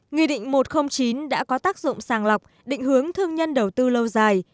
nghị định một trăm linh chín đã có tác dụng sàng lọc định hướng thương nhân đầu tư lâu dài